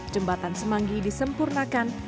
jembatan semanggi disempurnakan